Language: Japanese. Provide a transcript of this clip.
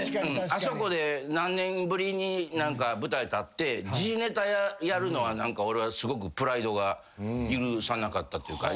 あそこで何年ぶりに舞台立って時事ネタやるのは何か俺はすごくプライドが許さなかったというか。